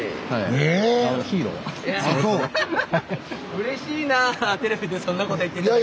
うれしいなテレビでそんなこと言って頂けたら。